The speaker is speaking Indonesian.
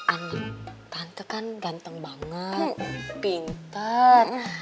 anak tante kan ganteng banget pinter